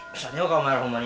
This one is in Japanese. お前らほんまに。